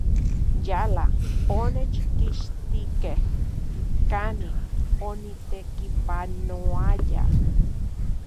Yala onechkixtikej kanin onitekipanoaya.